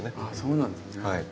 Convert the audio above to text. あそうなんだね。